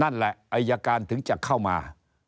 อัยการถึงจะเข้ามา